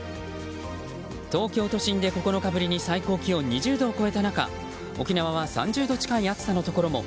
東京都心で９日ぶりに最高気温２０度を超えた中沖縄は３０度近い暑さのところも。